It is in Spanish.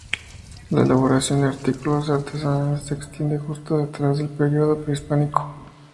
La elaboración de artículos artesanales se extiende justo detrás del período pre-hispánico.